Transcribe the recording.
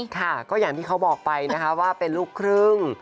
ค่ะก็อย่างที่เขาบอกไปนะคะว่าเป็นลูกครึ่ง